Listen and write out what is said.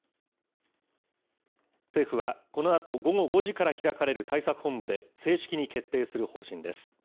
政府は、このあと午後５時から開かれる対策本部で正式に決定する方針です。